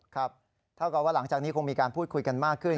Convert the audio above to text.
ครับเท่ากับว่าหลังจากนี้คงมีการพูดคุยกันมากขึ้น